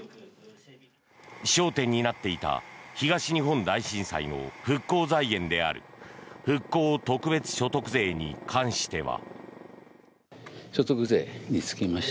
焦点になっていた東日本大震災の復興財源である復興特別所得税に関しては。